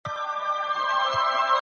خلګو ولې احمد شاه ابدالي ته بابا ویل؟